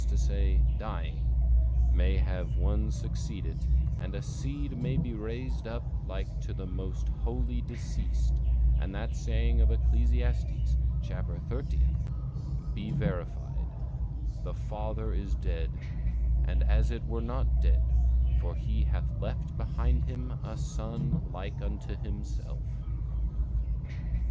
e._, dying] may have one succeed it, and a seed may be raised up like to the most holy deceased, and that saying of Ecclesiastes, chapter thirtieth, be verified: 'The father is dead, and as it were not dead, for he hath left behind him a son like unto himself.